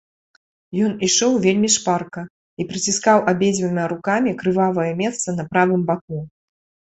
Ён ішоў вельмі шпарка і прыціскаў абедзвюма рукамі крывавае месца на правым баку.